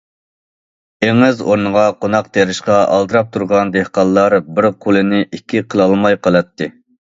ئېڭىز ئورنىغا قوناق تېرىشقا ئالدىراپ تۇرغان دېھقانلار بىر قولىنى ئىككى قىلالماي قالاتتى.